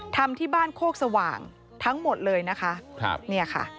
ทำที่บ้านโคกสว่างทั้งหมดเลยนะคะ